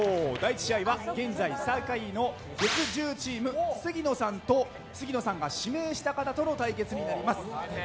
第１試合は現在最下位の月１０チーム杉野さんと杉野さんが指名した方との対決になります。